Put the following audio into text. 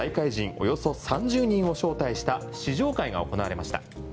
およそ３０人を招待した試乗会が行われました。